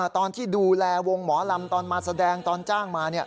ตอนที่ดูแลวงหมอลำตอนมาแสดงตอนจ้างมา